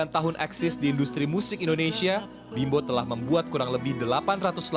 empat puluh sembilan tahun eksis di industri musik indonesia bimbo telah membuat kurang lebih delapan ratus lagu dan dua ratus album